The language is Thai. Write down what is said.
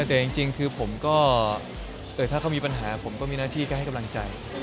แต่จริงคือผมก็ถ้าเขามีปัญหาผมก็มีหน้าที่ก็ให้กำลังใจ